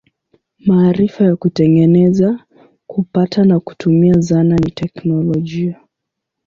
Maarifa ya kutengeneza, kupata na kutumia zana ni teknolojia.